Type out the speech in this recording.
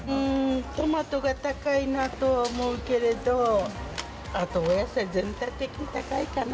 トマトが高いなとは思うけれど、あと、お野菜、全体的に高いかな。